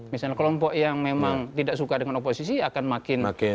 misalnya kelompok yang memang tidak suka dengan oposisi akan makin